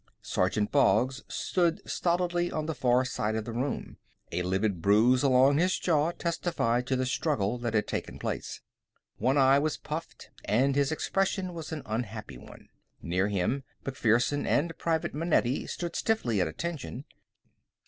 Sergeant Boggs stood stolidly on the far side of the room. A livid bruise along his jaw testified to the struggle that had taken place. One eye was puffed, and his expression was an unhappy one. Near him, MacPherson and Private Manetti stood stiffly at attention.